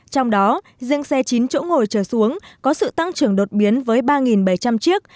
trong đó riêng xe chín chỗ ngồi trở xuống có sự tăng trưởng đột biến với ba bảy trăm linh chiếc